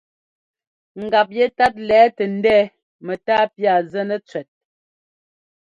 Ngap yɛtát lɛ̌ tɛ ndɛ̌ɛ mɛ́tá pía zɛnɛ cʉɛt.